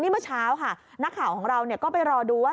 เมื่อเช้าค่ะนักข่าวของเราก็ไปรอดูว่า